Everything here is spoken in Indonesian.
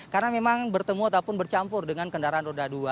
karena memang bertemu ataupun bercampur dengan kendaraan roda dua